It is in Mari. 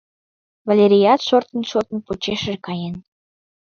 Валерият, шортын-шортын, почешыже каен...